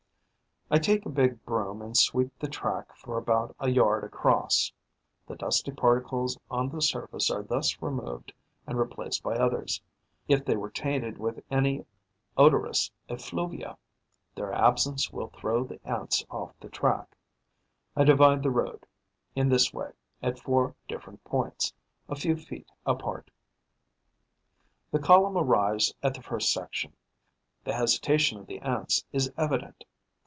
I take a big broom and sweep the track for about a yard across. The dusty particles on the surface are thus removed and replaced by others. If they were tainted with any odorous effluvia, their absence will throw the Ants off the track. I divide the road, in this way, at four different points, a few feet a part. The column arrives at the first section. The hesitation of the Ants is evident.